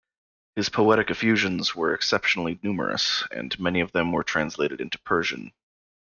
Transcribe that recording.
His poetic effusions were exceptionally numerous, and many of them were translated into Persian.